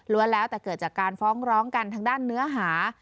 แล้วแต่เกิดจากการฟ้องร้องกันทางด้านเนื้อหา